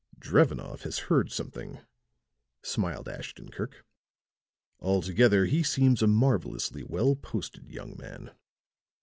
"Drevenoff has heard something," smiled Ashton Kirk. "Altogether he seems a marvelously well posted young man."